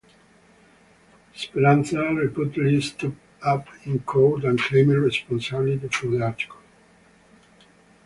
"Speranza" reputedly stood up in court and claimed responsibility for the article.